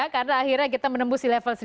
karena akhirnya kita menembus level seribu